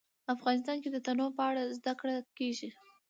افغانستان کې د تنوع په اړه زده کړه کېږي.